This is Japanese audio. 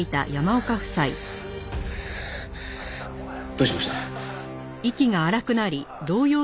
どうしました？